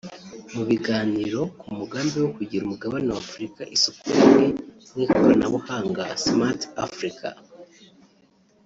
mu biganiro ku mugambi wo kugira umugabane wa Africa isoko rimwe mu ikoranabuhanga “Smart Africa”